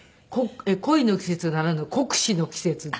『恋の季節』ならぬ「酷使の季節」って。